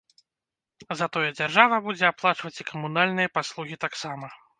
Затое дзяржава будзе аплачваць і камунальныя паслугі таксама.